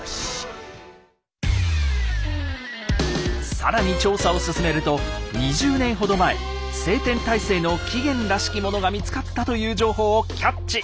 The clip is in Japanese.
更に調査を進めると２０年ほど前斉天大聖の起源らしきものが見つかったという情報をキャッチ。